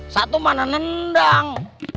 satu mana nendang